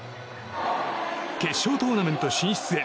決勝トーナメント進出へ。